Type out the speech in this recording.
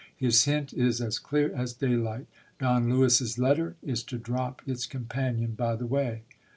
His hint is as clear as daylight Don Lewis's letter is to drop its companion by the way.